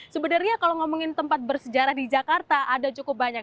sebenarnya kalau ngomongin tempat bersejarah di jakarta ada cukup banyak